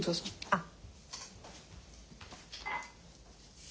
あっ。